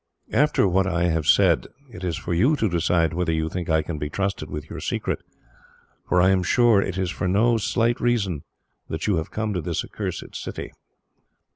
"After what I have said, it is for you to decide whether you think I can be trusted with your secret, for I am sure it is for no slight reason that you have come to this accursed city."